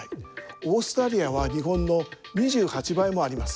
オーストラリアは日本の２８倍もあります。